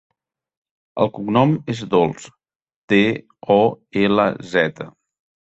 El cognom és Dolz: de, o, ela, zeta.